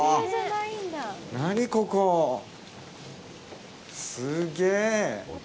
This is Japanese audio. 何ここ、すげえ。